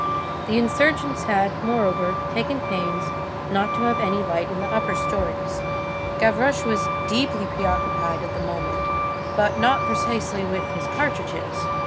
The insurgents had, moreover, taken pains not to have any light in the upper stories. Gavroche was deeply preoccupied at that moment, but not precisely with his cartridges.